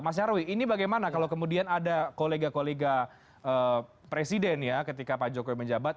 mas nyarwi ini bagaimana kalau kemudian ada kolega kolega presiden ya ketika pak jokowi menjabat